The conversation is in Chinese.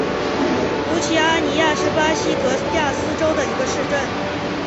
卢齐阿尼亚是巴西戈亚斯州的一个市镇。